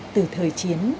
từ thời chiến